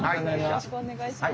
よろしくお願いします。